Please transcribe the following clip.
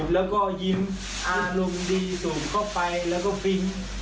แล้วก็ยิ้มอารมณ์ดีส่งเข้าไปแล้วก็ฟิ๊ง